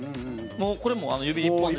これも指１本で。